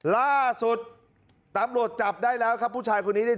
ล่าสุดตำรวจจับได้แล้วครับผู้ชายคนนี้เนี่ย